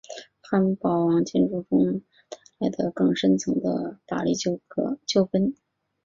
汉堡王进驻中东市场带来了更深层次的法律纠纷。